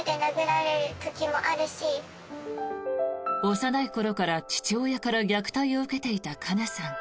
幼い頃から、父親から虐待を受けていた、かなさん。